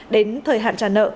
đến thời hạn trả nợ